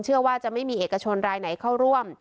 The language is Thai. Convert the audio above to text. เชื่อว่าจะไม่มีเอกชนรายไหนเข้าร่วม